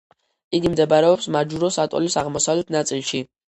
იგი მდებარეობს მაჯუროს ატოლის აღმოსავლეთ ნაწილში.